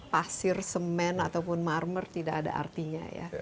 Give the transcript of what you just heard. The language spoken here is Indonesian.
pasir semen ataupun marmer tidak ada artinya ya